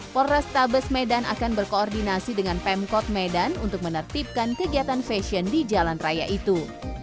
polrestabes medan akan berkoordinasi dengan pemkot medan untuk menertibkan kegiatan fashion di jalan raya itu